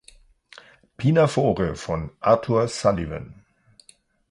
Pinafore von Arthur Sullivan.